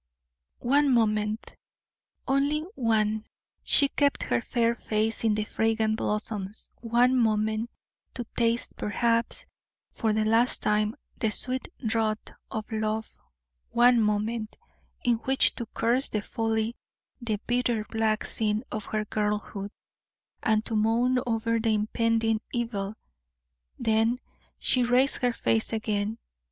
One moment, only one, she kept her fair face in the fragrant blossoms one moment, to taste, perhaps for the last time, the sweet draught of love one moment, in which to curse the folly, the bitter, black sin of her girlhood, and to moan over the impending evil. Then she raised her face again.